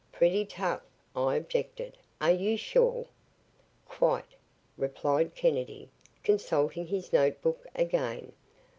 "Pretty tough," I objected. "Are you sure?" "Quite," replied Kennedy, consulting his note book again.